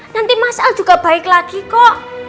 nanti mas al juga baik lagi kok